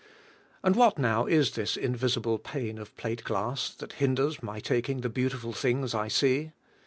And what now is this invisible pane of plate glass, that hinders my taking the beautiful things I see?